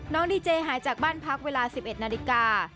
ดีเจหายจากบ้านพักเวลา๑๑นาฬิกา